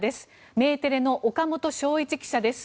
メテレの岡本祥一記者です。